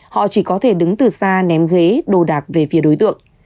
họ chỉ có thể đứng từ xa ném ghế đồ đạc về phía đối tượng